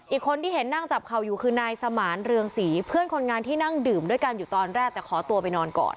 อีกคนที่เห็นนั่งจับเข่าอยู่คือนายสมานเรืองศรีเพื่อนคนงานที่นั่งดื่มด้วยกันอยู่ตอนแรกแต่ขอตัวไปนอนก่อน